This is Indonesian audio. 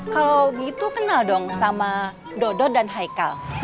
kalau begitu kenal dong sama dodo dan haikal